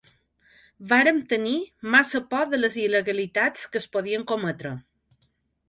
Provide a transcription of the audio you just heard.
Vàrem tenir massa por de les il·legalitats que es podien cometre.